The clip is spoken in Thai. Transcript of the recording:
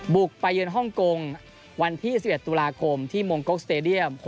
บุกไปเยือนฮ่องกงวันที่๑๑ตุลาคมที่มงกสเตดียม